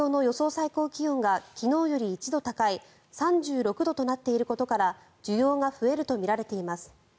最高気温が昨日より１度高い３６度となっていることから需要が増えるとみられています。